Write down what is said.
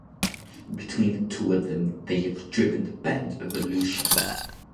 Between the two of them they have driven the band's evolution.